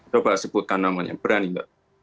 coba sebutkan namanya berani mbak